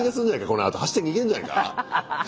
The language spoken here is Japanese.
このあと走って逃げんじゃないか。